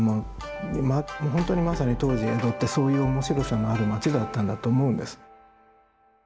本当にまさに当時江戸ってそういう面白さのある町だったんだと思うんです。